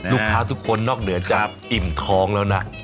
ลูกค้าทุกคนนอกเดียวจะอิ่มทองแล้วนะ